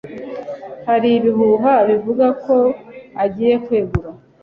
Hari ibihuha bivuga ko agiye kwegura.